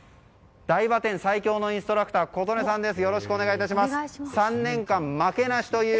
台場店、最強のインストラクターことねさんです。